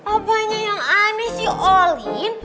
apanya yang aneh sih olin